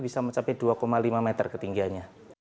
bisa mencapai dua lima meter ketinggiannya